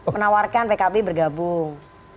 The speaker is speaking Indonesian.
menawarkan pkb bergabung